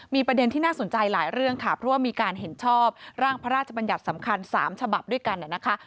มีประเด็นที่น่าสนใจหลายเรื่องค่ะเพราะว่ามีการเห็นชอบร่างพระราชบัญญัติสำคัญ๓ฉบับด้วยกันนะคะ